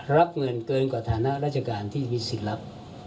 รับเงินเกินกว่าฐานะราชการที่มีสิทธิ์รับ